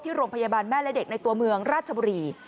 โรงพยาบาลแม่และเด็กในตัวเมืองราชบุรี